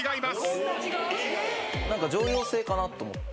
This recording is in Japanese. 常用性かなと思って。